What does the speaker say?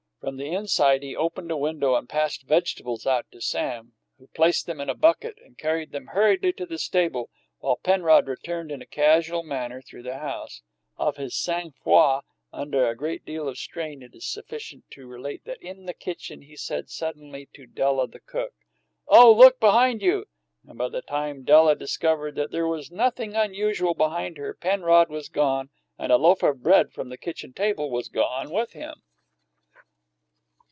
From the inside he opened a window and passed vegetables out to Sam, who placed them in a bucket and carried them hurriedly to the stable, while Penrod returned in a casual manner through the house. Of his _sang froid_[30 1] under a great strain it is sufficient to relate that, in the kitchen, he said suddenly to Della, the cook, "Oh, look behind you!" and by the time Della discovered that there was nothing unusual behind her, Penrod was gone, and a loaf of bread from the kitchen table was gone with him.